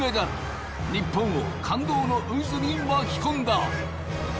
日本を感動の渦に巻き込んだ。